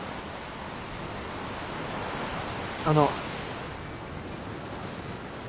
あの。